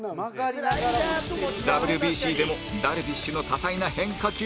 ＷＢＣ でもダルビッシュの多彩な変化球に期待！